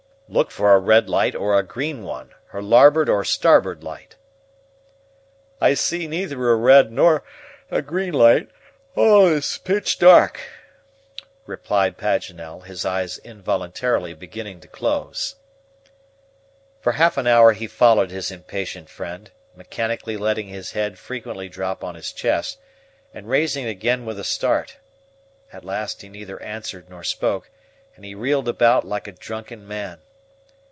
"Look for a red light or a green one her larboard or starboard light." "I see neither a red nor a green light, all is pitch dark," replied Paganel, his eyes involuntarily beginning to close. For half an hour he followed his impatient friend, mechanically letting his head frequently drop on his chest, and raising it again with a start. At last he neither answered nor spoke, and he reeled about like a drunken man.